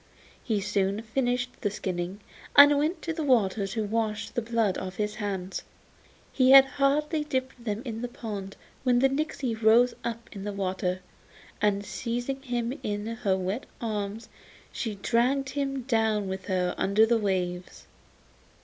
He soon finished the skinning, and went to the water to wash the blood off his hands. He had hardly dipped them in the pond when the nixy rose up in the water, and seizing him in her wet arms she dragged him down with her under the waves.